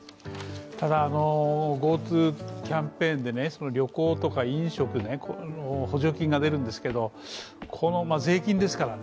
ただ、ＧｏＴｏキャンペーンで旅行とか飲食補助金が出るんですけど税金ですからね。